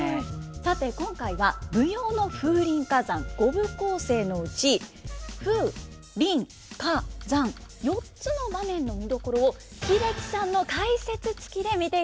さて今回は舞踊の「風林火山」５部構成のうち「風」「林」「火」「山」４つの場面の見どころを英樹さんの解説つきで見ていきます。